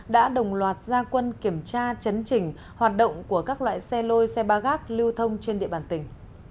đã đồng loạt gia quân kiểm tra chấn chỉnh hoạt động của các loại xe lôi xe ba gác lưu thông trên địa bàn tỉnh